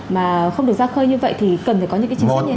mà không được ra khơi như vậy thì cần phải có những cái chính sách như thế